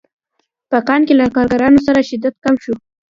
په کان کې له کارګرانو سره شدت کم شو